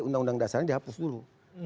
undang undang dasarnya dihapus dulu